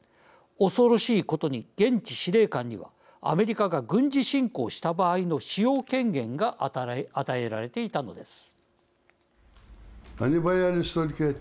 恐ろしいことに現地司令官にはアメリカが軍事侵攻した場合の使用権限が与えられていたのです。